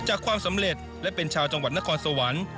ความสำเร็จและเป็นชาวจังหวัดนครสวรรค์